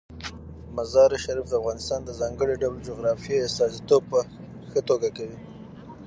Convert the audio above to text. مزارشریف د افغانستان د ځانګړي ډول جغرافیې استازیتوب په ښه توګه کوي.